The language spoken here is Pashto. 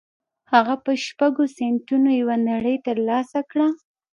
هغه په شپږو سينټو يوه نړۍ تر لاسه کړه.